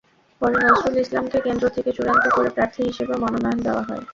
পরে নজরুল ইসলামকে কেন্দ্র থেকে চূড়ান্ত করে প্রার্থী হিসেবে মনোনয়ন দেওয়া হয়।